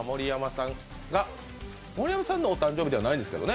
盛山さんのお誕生日じゃないんですけどね。